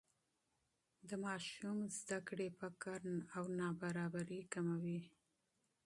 د ماشوم تعلیم فقر او نابرابري کموي.